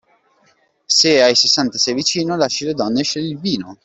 Se ai sessanta sei vicino, lascia le donne e scegli il vino.